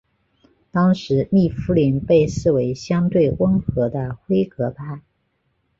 当时密夫林被视为相对温和的辉格派。